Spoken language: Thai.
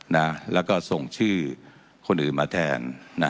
นะแล้วก็ส่งชื่อคนอื่นมาแทนนะ